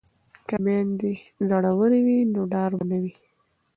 که میندې زړورې وي نو ډار به نه وي.